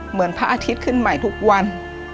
เหมือนพระอาทิตย์ขึ้นใหม่ทุกวัน